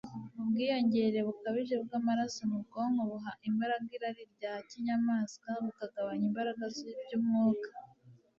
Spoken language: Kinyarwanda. ubwiyongere bukabije bw'amaraso mu bwonko buha imbaraga irari rya kinyamaswa, bukagabanya imbaraga z'iby'umwuka